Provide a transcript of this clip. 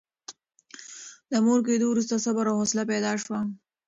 د مور کېدو وروسته صبر او حوصله پیدا شوه.